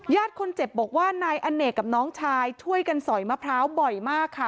คนเจ็บบอกว่านายอเนกกับน้องชายช่วยกันสอยมะพร้าวบ่อยมากค่ะ